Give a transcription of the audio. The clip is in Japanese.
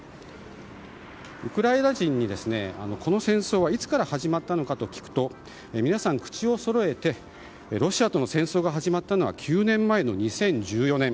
ウクライナ人に、この戦争はいつから始まったのかと聞くと皆さん、口をそろえてロシアとの戦争が始まったのは９年前の２０１４年。